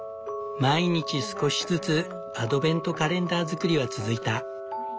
毎日少しずつアドベントカレンダー作りは続いた。